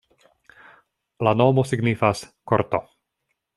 La nomo signifas: korto.